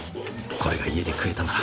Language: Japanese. これが家で食えたなら。